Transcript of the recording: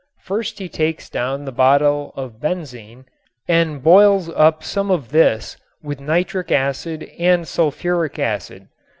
First he takes down the bottle of benzene and boils up some of this with nitric acid and sulfuric acid.